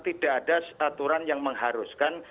tidak ada aturan yang mengharuskan